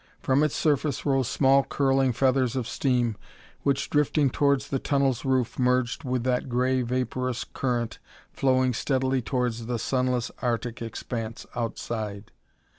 From its surface rose small curling feathers of steam which, drifting towards the tunnel's roof, merged with that gray, vaporous current flowing steadily towards the sunless Arctic expanse outside.